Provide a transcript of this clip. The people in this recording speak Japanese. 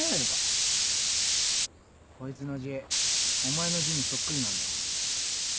こいつの字お前の字にそっくりなんだ。